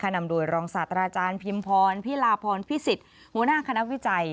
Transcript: นำโดยรองศาสตราจารย์พิมพรพิลาพรพิสิทธิ์หัวหน้าคณะวิจัย